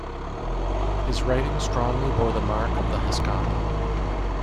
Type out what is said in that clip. His writing strongly bore the mark of the Haskalah.